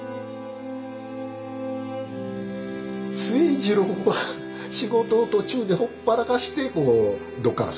末治郎は仕事を途中でほっぱらかしてこうどっか遊びに行くと。